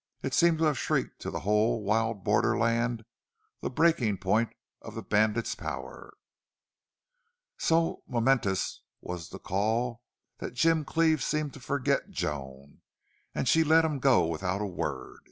It seemed to have shrieked to the whole wild borderland the breaking point of the bandit's power. So momentous was the call that Jim Cleve seemed to forget Joan, and she let him go without a word.